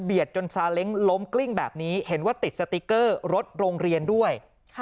จนซาเล้งล้มกลิ้งแบบนี้เห็นว่าติดสติ๊กเกอร์รถโรงเรียนด้วย